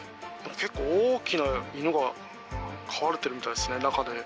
結構大きな犬が飼われてるみたいですね、中で。